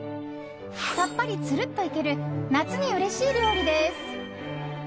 さっぱり、つるっといける夏にうれしい料理です。